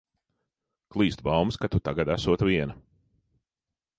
Klīst baumas, ka tu tagad esot viena.